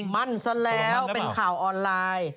มั่นซะแล้วเป็นข่าวออนไลน์